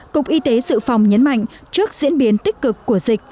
cục y tế dự phòng nhấn mạnh trước diễn biến tích cực của dịch